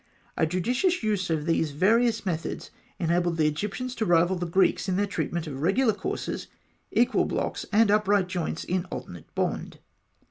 A judicious use of these various methods enabled the Egyptians to rival the Greeks in their treatment of regular courses, equal blocks, and upright joints in alternate bond.